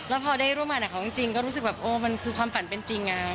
แล้วพอได้ร่วมงานกับเขาจริงก็รู้สึกแบบโอ้มันคือความฝันเป็นจริง